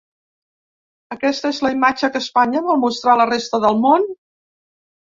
Aquesta és la imatge que Espanya vol mostrar a la resta del món?